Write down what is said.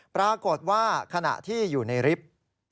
ปรากฏว่าขณะที่อยู่ในลิฟท์